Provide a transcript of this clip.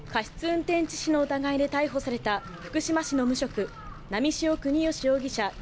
運転致死の疑いで逮捕された福島市の無職波汐國芳容疑者